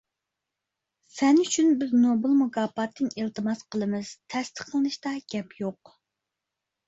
سەن ئۈچۈن بىز نوبېل مۇكاپاتىنى ئىلتىماس قىلىمىز، تەستىقلىنىشتا گەپ يوق.